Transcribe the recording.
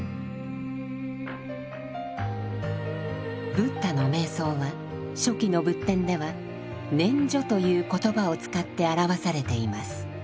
ブッダの瞑想は初期の仏典では「念処」という言葉を使って表されています。